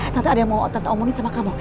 tante ada yang mau tante omongin sama kamu